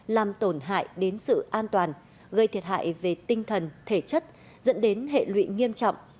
làm tổn hại đến sự an toàn gây thiệt hại về tinh thần thể chất dẫn đến hệ lụy nghiêm trọng